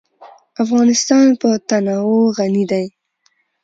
افغانستان په تنوع غني دی.